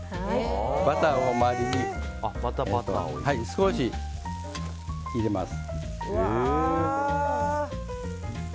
バターを周りに少し入れます。